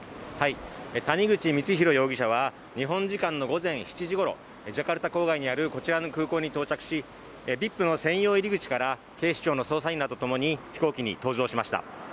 谷口光弘容疑者は、日本時間の午前７時ごろ、ジャカルタ郊外にあるこちらの空港に到着しＶＩＰの専用入り口から警視庁の捜査員らとともに飛行機に搭乗しました。